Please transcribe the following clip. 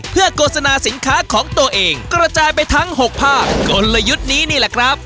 เพื่อโฆษณาสินค้าของตัวเองกระจายไปทั้ง๖ภาคกลยุทธ์นี้นี่แหละครับ